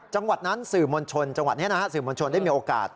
จังหวัดนั้นสื่อมวลชนจังหวัดนี้นะฮะสื่อมวลชนได้มีโอกาส